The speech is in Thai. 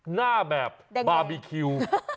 หน้าแบบบาร์บีคิว